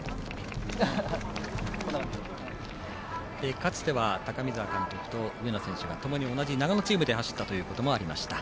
かつては高見澤監督と上野監督が共に同じ長野チームで走ったこともありました。